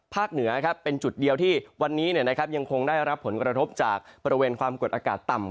เหนือเป็นจุดเดียวที่วันนี้ยังคงได้รับผลกระทบจากบริเวณความกดอากาศต่ำ